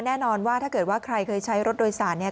แน่นอนว่าถ้าเกิดว่าใครเคยใช้รถโดยสารเนี่ย